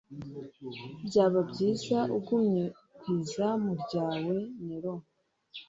Byaba byiza ugumye ku izamu ryawe Nero